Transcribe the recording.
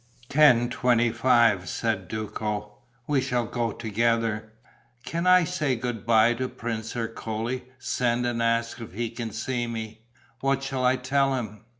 "Ten twenty five," said Duco. "We shall go together." "Can I say good bye to Prince Ercole? Send and ask if he can see me." "What shall I tell him?"